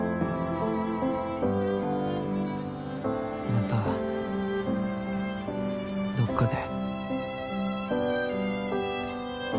またどっかで。